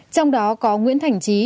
trong đó có nguyễn thành trí